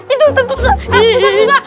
itu tentu saja